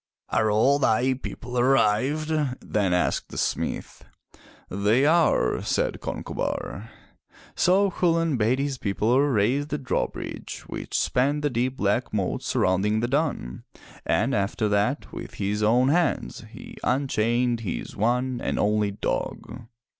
"Are all thy people arrived?" then asked the smith. "They are," said Concobar. So Chulain bade his people raise the drawbridge which spanned the deep black moat surrounding the dun, and after that, with 405 MY BOOK HOUSE his own hands he unchained his one and only dog.